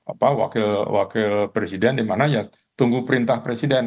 apa wakil presiden dimana ya tunggu perintah presiden